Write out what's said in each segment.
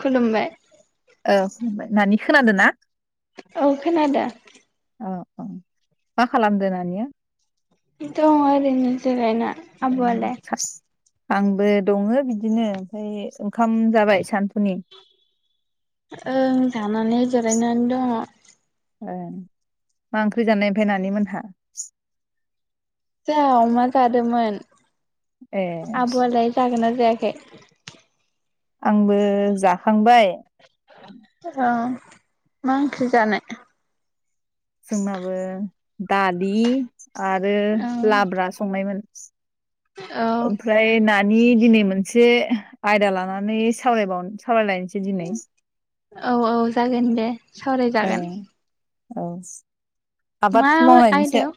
खुलुमबाय औ खुलुमबाय नानि खोनादो ना? औ खोनादो। औ औ मा खालामदो नानिया? दङ ओरैनो जिरायना। ओं आब'आलाय सार्स आंबो दङो बिदिनो ओमफाय ओ ओं जानानै जिरायनानै दङ। ए, मा ओंख्रि जानाय ओमफ्राय नानि मोनहा? जाहा अमा जादोंमोन। ए आब'आलाय जागोना जायाखै? आंबो जाखांबाय औ, मा ओंख्रि जानाय? जोंनाबो दालि आरो औ लाब्रा संनायमोन। [inaudible] ओमफ्राय नानि दिनै मोनसे आयदा लानानै सावरायबाव सावरायलाय औ औ जागोन दे। औ सावरायजागोन। औ आबाद मा मावनायनि सा आयदायाव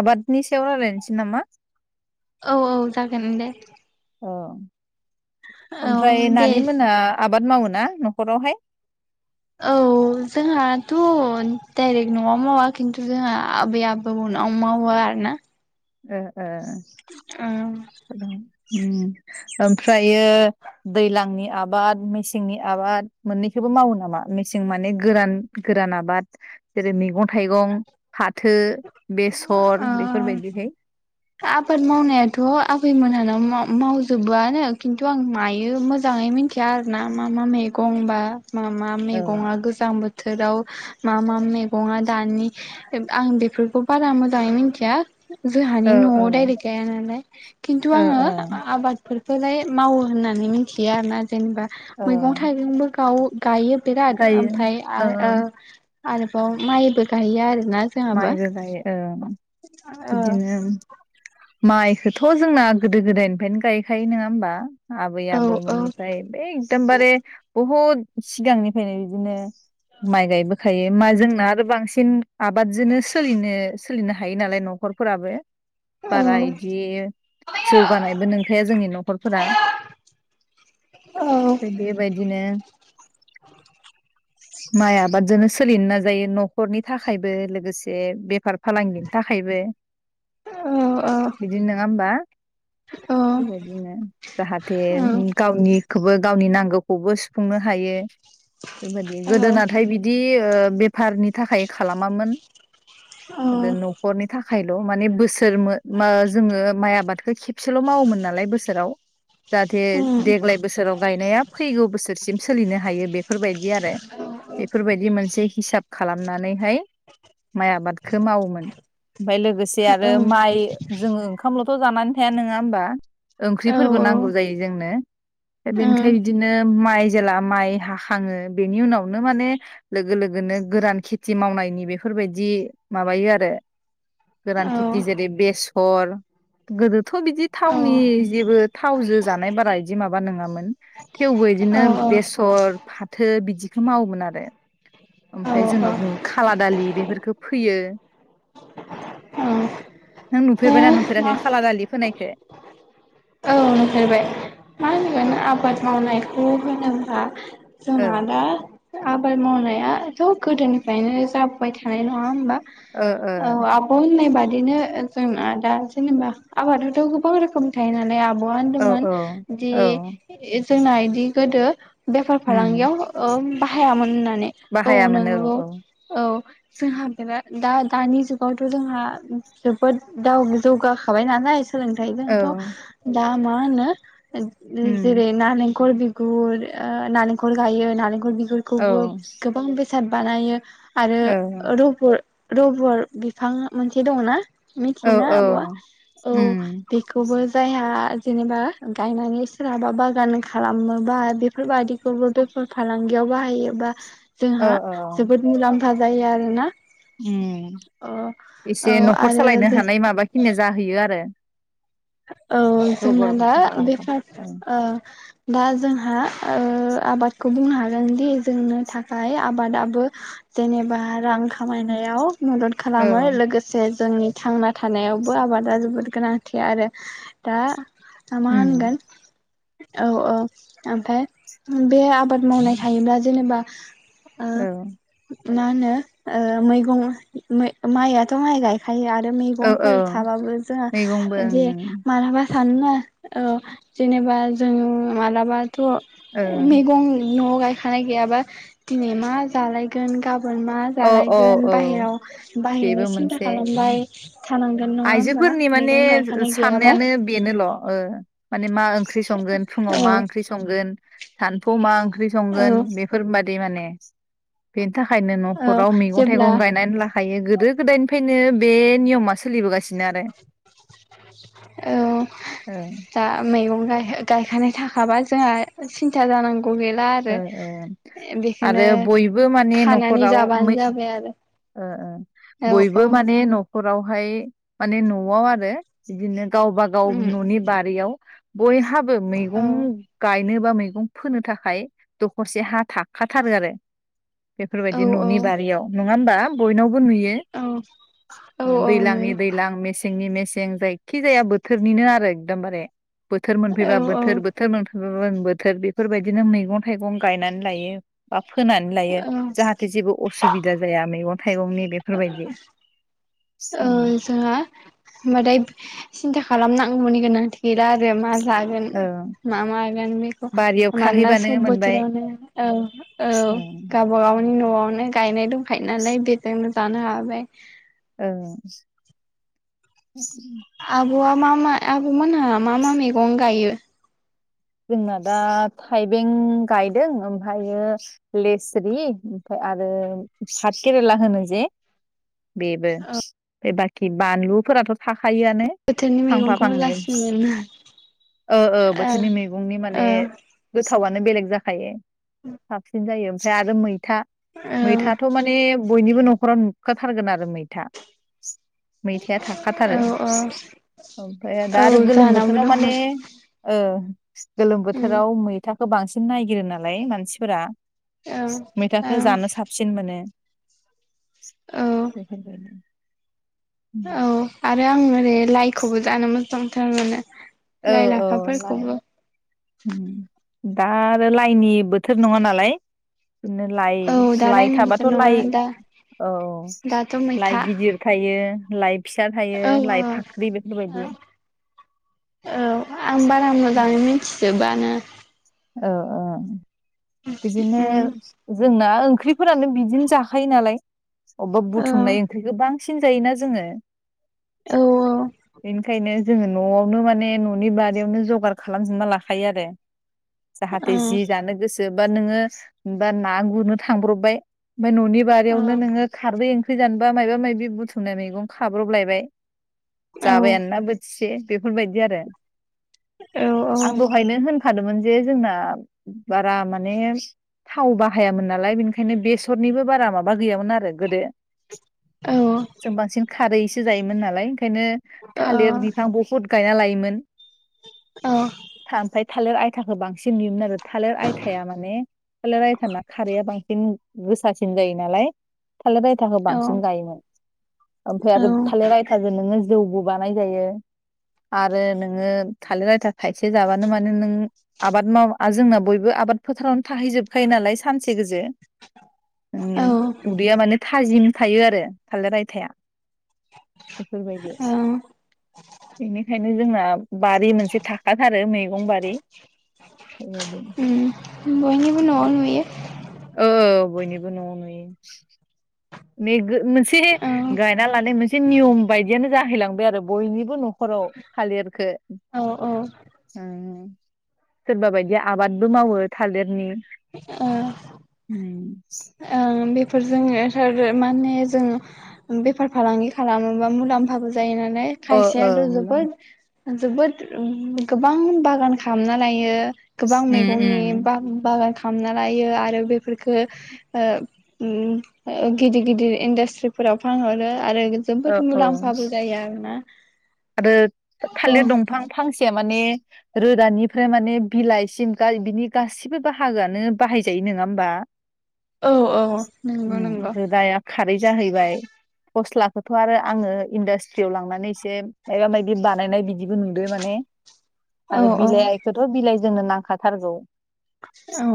आबादनि सायाव रायलायनोसै नामा? औ औ जागोन दे। औ औ ओमफ्राय दे नानि मोना आब बाद मावो ना न'खरावहाय? औ जोंहाथ' डाइरेक्ट न'आव मावा खिन्थु जोंहा आबै आबौनाव मावो आरो ना ओ ओ हेलौ उम ओमफ्रायो दैलांनि आबाद मेसेंनि आबाद मोननैखोबो मावो नामा मेसें माने गोरान गोरान आबाद जेरै मैगं थाइगं फाथो बेसर ओं बेफोरबायदिहाय आबाद मावनायाथ' आबै मोनहानाव माव मावजोबोआनो खिन्थु आं मायो मोजाङै मिथिया आरोना मा मा मैगं बा मा मा औ मैगङा गोजां बोथ बोथोराव मा मा मैगंया दानि आं बे बेफोरखौ बारा मोजाङै मिथिया जोंहानि औ औ न'आव डायरेक्ट गाया नालाय किन्थु ओ आङो ओ आबादफोर खोलाय मावो होननानै मिथियो आरोना जेनेबा ओ मैगं थाइगंबो गाव गायो बिराद गायो ओमफ्राय आ ओ आरोबाव माइबो गाइओ आरो ना जोंहाबो माइबो गायो ओ उम ओ बिदिनोम माइखोथ' जोंना गोदो गोदायनिफायनो गायखायो नोङा होमबा? आबै औ औ आबौमोननिफ्राय बै एकदमबारे बहुद सिगांनिफ्रायनो बिदिनो माइ गायबो थायो मा जोंना आरो बांसिन आबादजोनो सोलिनो सोलिनो हायो नालाय न'खरफोराबो बारा औ इदि जौगानायबो नोंखाया जोंनि न'खरफोरा औ बेबायदिनो। माइ आबादजोनो सोलिनो नाजायो न'खरनि थाख खायबो लोगोसे बेफार फालांगिनि थाखायबो औ नुफेरबाय बिदि नङा होमबा बेबायदिनो जाहाथे गावनि खौबो गावनि नांगौखौबो सुफुंनो हायो। बेबादि गोदोनाथाय बिदि ओ बेफारनि थाखाय खालामामोन बे न'खरनि थाख खायल' माने बोसोर मो मो जोंङो माइ आबादखो खेबसेल' मावोमोन नालाय बोसोराव जाहाथे देग्लाय बोसोराव गायनाया फैगौ बोसोरसिम सोलिनो हायो बेफोरबायदि आरो। बेफोरबायदि मोनसे हिसाब खालामनानै फाय माइ आबादखो मावोमोन ओमफाय लोगो एसे आरो माइ जोंङो ओंखामल'थ' जानानै था नोंआ होमबा? ओंख्रिफोरबो नांगौ जायो जोंनो बे बेनिखाय बिदिनो माइ जेला माइ हाखांङो बेनि उनावनो माने लोगो लोगोनो गोरान खेथि थि मावनायनि बेफोरबायदि माबायो आरो गोरान खिथि जेरै बेसर गोदोथ' बिदि थावनि जेबो थावजो जानाय बारा बिदि माबा नोंङामोन थेवबो बिदिनो बेसर फाथो बिदिखौ मावोमोन आरो। ओमफाय जोंनाव बुंङो खाला दालि बेफोरखो फोयो नों नुफेरबायना नुफेराखै खाला दालि फोनायखो? औ नुफेरबाय मा औ होनगोन औ आबाद मावनायखौ होनोब्ला जोंना दा आबाद मावनाया थ' गोदोनिफ्रायनो जाबोबाय थानाय नंङा होमबा? ओ औ ओ आब' होननाय बा बिदिनो जोंना दा जेनेबा आबादावथ' गोबां रोखोमनि थायो नालाय आब बया औ होनदोंमोन जि औ ए जोंना इदि गोदो बेफार उम फालांगियाव ओ बाहाया मोन होन्ना नै औ बाहायामोन नंगौ औ औ जोंहा बेरा दा दानि जुगावथ जोंहा जोबोद दाव जौगाखाबाय नालाय सोलोंथाइजोंथ औ दा मा होनो उम जेरै नालें खर बिगुर, नालेंखर गायो नालेंखर बि गुर औ खौबो गोबां बे साद बानायो। आरो औ रुबुर रबर बिफां मोनसे दं ना? औ मिथियोना औ आब आ? औ उम बेखौबो जायहा बा जेनेबा गायनानै सोरहाबा बागान खालामोबा बेफोरबायदि खौबो बेफर फालांग याव बाहायो बा औ जोंहा औ जोबोद मुलाम्फा जायो आरो ना। उम औ एसे नखर आरो सालायनो जों हानाय माबााखिनिया जाहैयो आरो। [unintelligible] औ जोंना रबर दा बागानखौ बेफार ओ दा जोंहा ओ आबादखौ बुंनो हागोनदि जोंनो थाखाय आबादाबो जेनेबा रां खामायनायाव मदद औ खालामो लोगोसे जोंनि थांना थानायावबो आबादा जोबोद गोनांथि आरो। दा मा उम होनगोन औ औ ओमफ्राय बे आबाद मावनाय थायोब्ला जेनेबा ओ औ। मा होनो ओ मैगं मै माइ माइआथ माइ गाय गायो आरो औ औ मैगंफोर थाबाबो जोङो मैगंबो जे मालाबा सानोना ओ जेनेबा जों मालाबा थ' मैगं। न'आव गायखानाय गैयाबा दिनै मा जालायगोन गा मा ओ औ जालायगोन औ औ बाहेराव बाहैयनो बेबो सिन्था मोनसे खालामबाय थानांगोन नङा होमबा आइजोफोरनि माने मैगं गायखानाय गैयाबा साननायानो बेनोल'। ओ माने मा ओंख्रि संगोन फुङाव मा औ ओंख्रि संगोन। सानफुंआव मा ओं औ संगोन बेफोर बाद दिमाने बेनि थाखायनो औ खराव मैगं जेब्ला थाइगं गायनानै लाखायो गोदो गोदायनि फ्राय नो बे नियमा सोलिबोगासिनो। आरो औ ओं दा मैगं गाय गायखानाय थाखाबा जोंहा सिन्था जानांगौ गौ गैला आरो ओ ओ आरो बेखौनो बयबो माने खानानै न'खराव मै जाबानो जाबाय आरो। ओ ओ औ बयबो माने। नखरावहाय माने न'आव आरो बिदिनो गावबा गाव न'नि बारियाव। बयहा हाबो औ मैगं गाय नो बा मैगं फोनो थाखाय दख'रसे हा थाखाथारो आरो बेफोर औ बायदि न'नि बारियाव न' नङा होनोमबा बयनाव बो नुयो औ औ औ नै दैलांनि दैलां मेसेंनि मेज सें जायखि जाया बोथोरनिनो आरो एकदम बारे। बोथोर औ मोनफैबा औ बोथोर बोथोर मोन गुबुन बोथोर बेफोर बायदिनो मैगं-थाइगं गायनानै लायो। फोनानै लायो औ जाहाथे जेबो असुबिद बा मैगं थाइगंनि बेफोर बायदि। औ जोंहा [unintelligible] सिन्था खालामनांगौनि गोनांथि गैला आरो मा जागोन मा मागोन बेखौ बारियाव मानोना खाहैबानो सब मोनबाय बोथोरावनो औ औ गावबागावनि न'आव माने गायनाय दं। फाइनालाय बेजोंनो। दानो हाबाय। ए [inaudible] आब'आ मा मा आब' मोनहा मा मा मैगं गायो? जोंना दा थाइबें गायदों ओमफ्रायायो लेसिरि ओमफाय आरो भाथ केेरेला होनो जे बेबो बाखि बानलुफोराथ' थाखा खायोआनो बोथोरनि फांफा मैगंखौ फांनै मोजांसिन ओ ओ मोनो बोथोरनि मै बुंनि ओ माने गोसो थावानो बेलेग जाखायो। साबसिन जायो। जा रोमै था ओ मैथाथ' माने बयनिबो न' खराव नुखाथारगोन आरो मैथा। मैथाया थाखाथारो औ औ ओमफ्राय औ दा आरो गोलोम जाहानावबो बोथोराव दङ माने ओ। गोलोम उम बोथोराव मैथा। बांसिन नायगिरो नालाय मानसिफोरा। औ औ मैथाखौ जानो साबसिन मोनो। औ बेफोरबादि। उम। फ्राय आं माने लाइखौबो जानो मोजांथार मोने। औ-औ लाय उम। दा आरो लाइनि बोथोर नङा नालाय। बिदिनो लाइ औ दा लाइ लायनि थाबाथ' बोथोर नङा लाइ दा औ दाथ' लाइ मैथा गिदिर थायो। लाइभ। फिसा थायो औ औ लाइ फाख्रि बेफोरबायदि। औ। आं बारामोजांयै मिथि जोबानो। औ-औ। बिदिनो उम जोंना। ओंख्रिफोरानो बिदिनो जाखायो नालाय। अबबा औ बुथुमनाय ओंख्रि गोबां। सिन जायोना जोङो औ बेनिखायनो जोङो न'आवनो माने न'नि बारियावनो जगार खालामजोबना लाखायो आरो। औ जाहाथे जि जानो गोसो बा नोङो बा ना गुरनो थांब्रबबाय। [unintelligible] न'नि औ बारियावनो नोङो खारदै फैजानबा मायबा माबि बुथुमनाय मैगं खाब्र'बलायबाय। औ जाबायानना बोथिसे। बेफोरबायदि आरो। औ आं दहायनो होनखादोंमोन। जे जोंना बारा माने थाव बाहायामोन नालाय बेनिखायनो बेसरनिबो बारा माबा गैयामोन आरो गोदो। औ जों बांसिन खारै होजायोमोन नालाय बेखायनो थालिर बिफां बहुथ गायना लायोमोन। औ। थालेर आइ आयथाखौ बांसिन नुयोमोन आरो थालिर आयथाया माने थालिर आयथाना खारैआ बांसिन गोसासिन जायो नालाय। थालिर आयथाखौ औ बांसिन गायोमोन ओमफ्राय आरो थालिर आयथाजों नोङो जौबो बानाय जायो आरो नोङो थालिर आयथा थाइसे जाबानो मानो नों आबाद माव जोंना बयबो आबाद फोथारावनो थाहैजोबखायो नालाय सानसे गोजो। मउ उदैया माने थाजिम। थायो आरो थालिर आयथाया। बेफोरबायदि उम बेनिखायनो नो जोंना बारि मोनसे थाखाथारो मैगं बारि। बेबायदि ओम बयनिबो न'आव नुयो। औ बयनिबो न'आव नुयो। मेगो मोनसे गायना लानाय मोनसे नियम बायदियानो जाहैलांबाय आरो बयनिबो न'खराव थालिरखो औ औ ओङ सोरबा बायदिआ आबादबो मावो थालिरनि ओ उम ओं बेफोर जोङो बेफार फालांगि खालामोबा मुलाम्फाबो जा जायो नालाय अ खायसेया ओ थ मुलाम जोबोद जोबोद ओम गोबां बागान खालामना लायो। गोबां उम मैगंनि उम बा-बागान खामना लायो आरो बेफोरफोरखो ओ ओम गिदिर गिदिर इन्डासट्रिफोराव फानहरो आरो औ जोबोद औ मुलाम्फाबो जायो आरोना आरो थालिर दंफां फांसेया माने रोदानिफ्राय माने बिलाइसिम बिनि गाससिबो बाहागोआनो बाहायजायो नङा होमबा औ औ नंगौ उम नंगौ रोदाया खारै जाहैबाय फस्लाखौथ' आरो आङो इन्डास्ट्रियाव लांनानै एसे मायबा मायदि बानायनाय बिदिबो नुदों माने औ आरो औ बिलाइखौथ' बिलाइ जोंनो नांखाथारगौ औ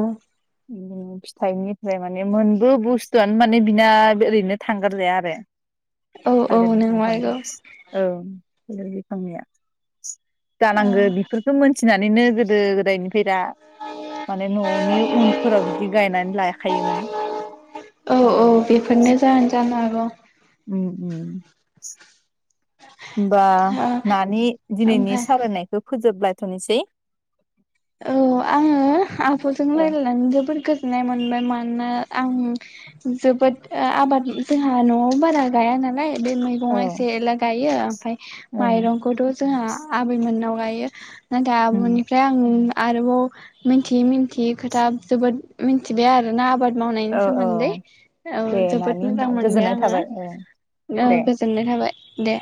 ओम फिथाइनिफ्राय माने मोनबो बुस्थुआनो माने बिना ओरैनो थांगार जाया आरो औ औ थालिर दंफां नंमारगौ औ थालिर बिफांनिया औ जानांगो बेफोरखौ मोनथिना नैनो गोद गोदो गोदायनिफ्राय दा माने न'नि उनफोराव बिदि गायनानै लाखायोमोन औ औ बेबायदि बेफोरनो जाहोन [inaudible] उम उम। बा ओ नानि दिनैनि ओमफ्राय सावरायनायखौ फोजोबला द निसै औ आङो आब'जों औ रायज्लायनानै जोबोर गो सनाय मोनबाय मानोना आं जोबोद आबाद जोंहा न'आव बारा गाया नालाय बे औ मैगंआ एसे एल गायो ओमफाय औ माइरंखौथ' जोंहा आबै मोननाव लायो ना उम दाब'निफ्राय आं आरोबाव मिथियै मिथियै खोथा जोबोद मिथिबाय आरोना आबाद औ मावनायनि औ सोमोन्दै औ दे नानि जोबोद होमबा मोजां मोनबाय गोजोननाय थाबाय औ आङो दे गोजोननाय थाबाय दे।